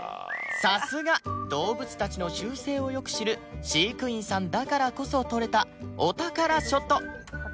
さすが動物たちの習性をよく知る飼育員さんだからこそ撮れたお宝ショット